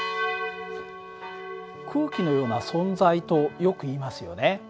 空気のような存在とよくいいますよね。